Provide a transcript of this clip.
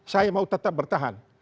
saya mau tetap bertahan